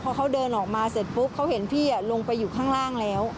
พอเขาเดินออกมาเสร็จปุ๊บเขาเห็นพี่ลงไปอยู่ข้างล่างแล้ว